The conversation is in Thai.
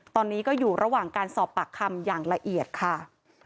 ตอนนี้ก็อยู่ระหว่างการสอบปากคำอย่างละเอียดค่ะ